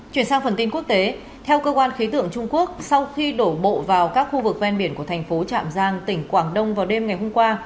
chuyển sang phần tin quốc tế theo cơ quan khí tượng trung quốc sau khi đổ bộ vào các khu vực ven biển của thành phố trạm giang tỉnh quảng đông vào đêm ngày hôm qua